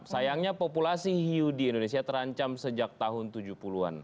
sayangnya populasi hiu di indonesia terancam sejak tahun tujuh puluh an